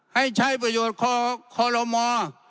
ให้ใช้ประโยชน์ขอละมอด